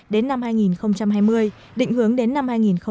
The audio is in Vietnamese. đến năm hai nghìn hai mươi định hướng đến năm hai nghìn ba mươi